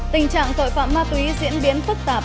tình trạng tội phạm ma túy diễn biến phức tạp